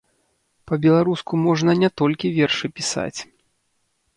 Па-беларуску можна не толькі вершы пісаць.